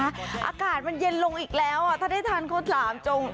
อากาศมันเย็นลงอีกแล้วถ้าได้ทานข้าวหลามจง